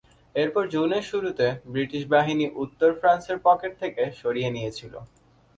এরপর জুনের শুরুতে, ব্রিটিশ বাহিনী উত্তর ফ্রান্সের পকেট থেকে সরিয়ে নিয়েছিল।